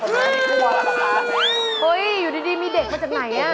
เฮ้ยอยู่ดีมีเด็กมาจากไหนอ่ะ